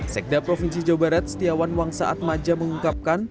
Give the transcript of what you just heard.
sekda provinsi jawa barat setiawan wangsa atmaja mengungkapkan